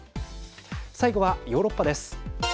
最後はヨーロッパです。